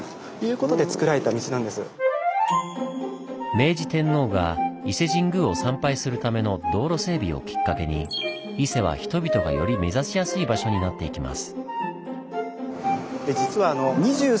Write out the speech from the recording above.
明治天皇が伊勢神宮を参拝するための道路整備をきっかけに伊勢は人々がより目指しやすい場所になっていきます。